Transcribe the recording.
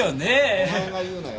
お前が言うなよ